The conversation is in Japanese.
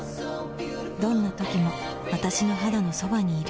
どんな時も私の肌のそばにいる